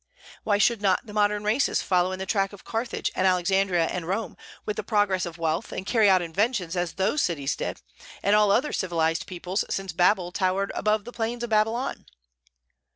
Why should not the modern races follow in the track of Carthage and Alexandria and Rome, with the progress of wealth, and carry out inventions as those cities did, and all other civilized peoples since Babal towered above the plains of Babylon?